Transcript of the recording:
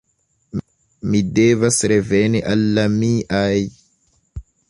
Mi devas reveni al la miaj.